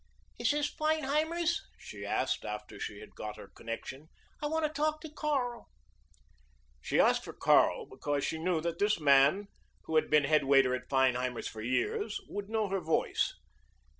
"Is this Feinheimer's?" she asked after she had got her connection. "I want to talk to Carl." She asked for Carl because she knew that this man who had been head waiter at Feinheimer's for years would know her voice.